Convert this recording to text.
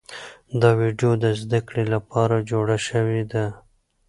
دا ویډیو د زده کړې لپاره جوړه شوې ده.